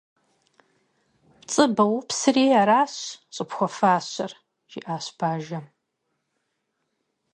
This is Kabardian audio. - Пцӏы боупсри, аращ щӏыпхуэфащэр, - жиӏащ бажэм.